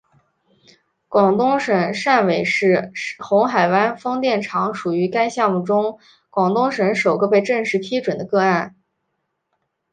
广东省汕尾市红海湾风电厂属于该项目中广东省首个被正式批准的个案。